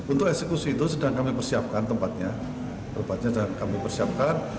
untuk eksekusi itu sedang kami persiapkan tempatnya tempatnya sedang kami persiapkan